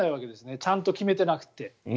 ちゃんと決めてなくって。